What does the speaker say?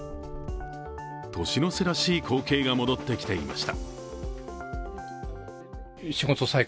年の瀬らしい光景が戻ってきていました。